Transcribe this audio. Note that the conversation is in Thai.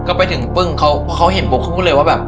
ก็ไปถึงปึ้งเขาเห็นบุคคลเลยว่าแบบ